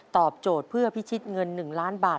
โจทย์เพื่อพิชิตเงิน๑ล้านบาท